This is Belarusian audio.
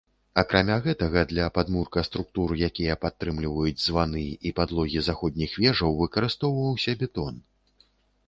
Акрамя гэтага, для падмурка структур, якія падтрымліваюць званы, і падлогі заходніх вежаў выкарыстоўваўся бетон.